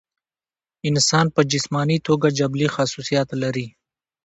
انسان پۀ جسماني توګه جبلي خصوصيات لري